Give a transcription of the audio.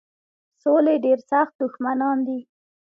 سولي ډېر سخت دښمنان دي.